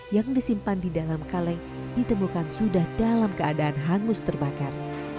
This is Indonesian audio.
yang disimpan di dalam kaleng ditemukan sudah dalam keadaan hangus terbakar